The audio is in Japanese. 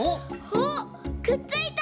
おっくっついた！